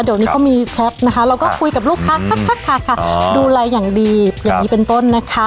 เดี๋ยวนี้ก็มีแช็ปนะคะเราก็คุยกับลูกค้าค่ะค่ะค่ะค่ะดูอะไรอย่างดีอย่างนี้เป็นต้นนะคะ